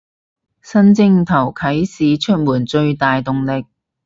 新正頭啟市出門最大動力